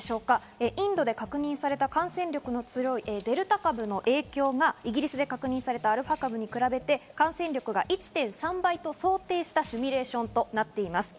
インドで確認された感染力の強いデルタ株の影響がイギリスで確認されたアルファ株に比べて、感染力が１．３倍と想定したシミュレーションとなっています。